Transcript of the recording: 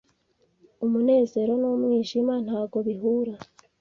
umunezero numwijima ntago bihura